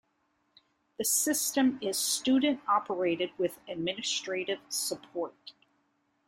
The system is student-operated with administrative support.